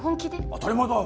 当たり前だ！